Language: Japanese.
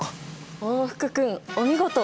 お福君お見事！